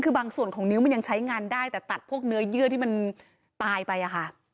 คือบางส่วนของนิ้วมันยังใช้งานได้แต่ตัดพวกเนื้อเยื่อที่มันตายไปอะค่ะ